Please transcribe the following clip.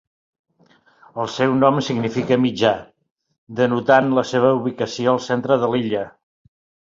El seu nom significa "mitjà", denotant la seva ubicació al centre de l'illa.